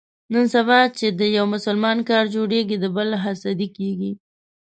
نن سبا چې د یو مسلمان کار جوړېږي، د بل حسدي کېږي.